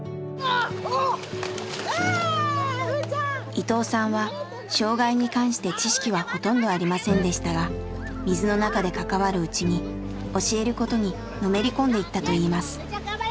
伊藤さんは障害に関して知識はほとんどありませんでしたが水の中で関わるうちに教えることにのめり込んでいったといいます。